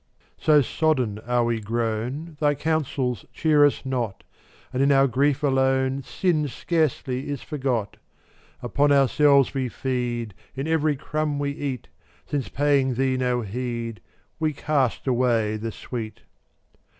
&mar So sodden we are grown Thy counsels cheer us not, £/ And in our grief alone Sin scarcely is forgot. Upon ourselves we feed In every crumb we eat, Since paying Thee no heed We cast away the sweet.